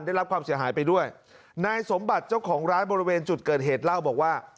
ได้รับความเสียหายไปด้วยนายสมบัติเจ้าของร้านบริเวณจุดเกิดเหตุเล่าบอกว่า